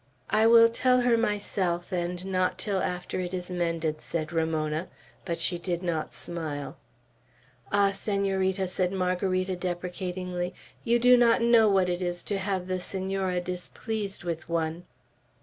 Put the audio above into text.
"I will tell her myself, and not till after it is mended," said Ramona; but she did not smile. "Ah, Senorita," said Margarita, deprecatingly, "you do not know what it is to have the Senora displeased with one."